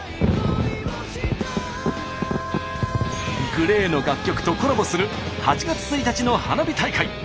ＧＬＡＹの楽曲とコラボする８月１日の花火大会。